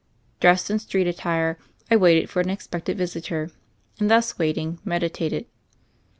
Dressed in street at tire, I waited for an expected visitor, and, thus waiting, meditated.